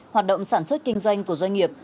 hoạt động sản xuất kinh doanh của doanh nghiệp